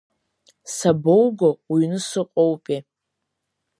Сабоуго, уҩны сыҟоупеи…